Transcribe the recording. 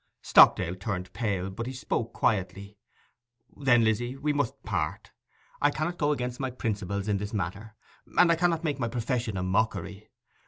Stockdale turned pale, but he spoke quietly. 'Then, Lizzy, we must part. I cannot go against my principles in this matter, and I cannot make my profession a mockery.